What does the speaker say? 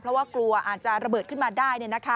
เพราะว่ากลัวอาจจะระเบิดขึ้นมาได้